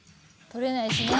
「取れないしね。